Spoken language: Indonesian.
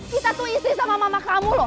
kita tuh istri sama mama mertua kamu